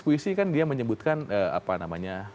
puisi kan dia menyebutkan apa namanya